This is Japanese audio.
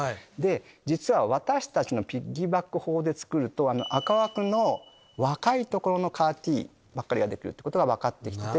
実は私たちのピギーバック法で作ると赤枠の若い所のＣＡＲ−Ｔばかりできることが分かってきて。